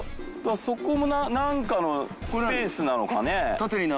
そこも何かのスペースなのかね？